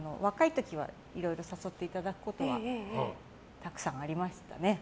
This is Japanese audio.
何か、そうですね若い時はいろいろ誘っていただくことはたくさんありましたね。